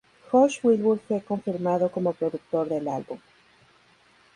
Josh Wilbur fue confirmado como productor del álbum.